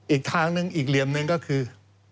อีกทางหนึ่งอีกเหลี่ยมหนึ่งก็คือ